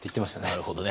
なるほどね。